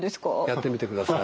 やってみてください。